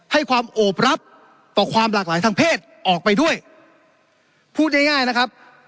ให้ความโอบรับต่อความหลากหลายทางเพศออกไปด้วยพูดง่ายง่ายนะครับ